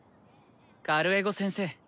カルエゴ先生。